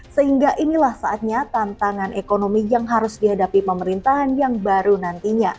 sehingga inilah saatnya tantangan ekonomi yang harus dihadapi pemerintahan yang baru nantinya